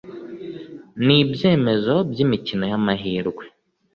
n ibyemezo by imikino y amahirwe